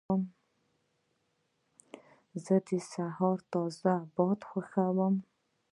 زه د سهار تازه باد خوښوم.